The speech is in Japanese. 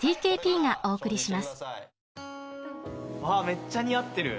めっちゃ似合ってる。